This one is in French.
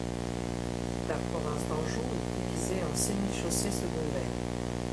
La province d'Anjou est divisée en sénéchaussées secondaires.